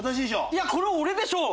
いやこれ俺でしょ！